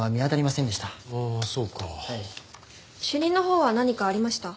主任のほうは何かありました？